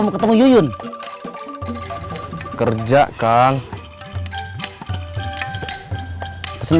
dia selalu senang kirim